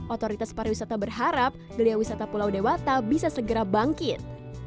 otoritas pariwisata berharap gelia wisata pulau dewata bisa segera bangkit